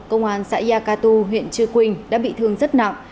công an xã gia cà tu huyện chưa quỳnh đã bị thương rất nặng